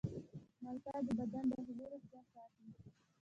مالټه د بدن داخلي روغتیا ساتي.